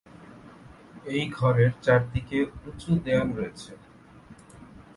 এই ঘরের চারদিকে উঁচু দেয়াল রয়েছে।